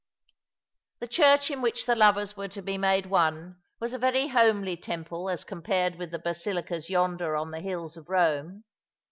The church in which the lovers were to be made one was a very homely temple as compared with the basilicas yonder ^» the hills ©f Eome.